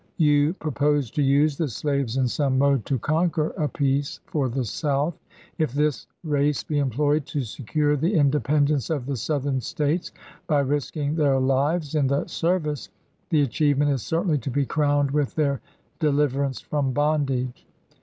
You propose to use the slaves in some mode to conquer a peace for the South. If this race be employed to secure the independence of the Southern States by risking their lives in the ser vice, the achievement is certainly to be crowned with their deliverance from bondage.